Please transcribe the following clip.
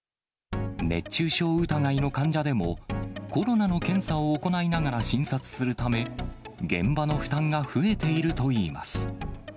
熱中症疑いの患者でも、コロナの検査を行いながら診察するため、現場の負担が増えているといいます。